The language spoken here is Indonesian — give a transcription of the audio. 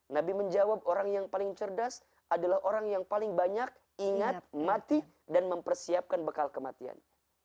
nabi menjawab orang yang paling cerdas adalah orang yang paling banyak ingat mati dan mempersiapkan bekal kematiannya